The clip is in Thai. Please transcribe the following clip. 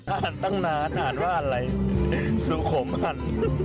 อ่านตั้งนานอ่านว่าอะไรสุโขมัน